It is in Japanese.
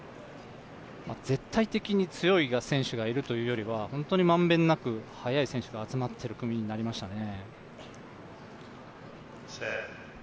絶対的に強い選手がいるというよりは本当にまんべんなく速い選手が集まってる組になりましたね。